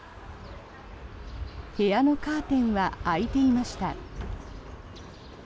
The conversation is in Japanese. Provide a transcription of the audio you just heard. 部屋のカーテンは開いていました。